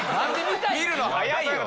見るの早いよ。